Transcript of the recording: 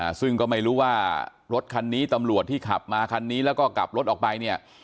ซึ่งก็ไม่รู้ว่ารถคันนี้ตำรวจที่ขับมาคันนี้แล้วก็กลับรถออกไปเนี่ย